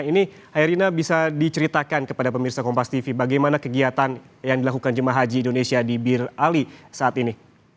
ini airina bisa diceritakan kepada pemirsa kompas tv bagaimana kegiatan yang dilakukan jemaah haji indonesia di bir ali saat ini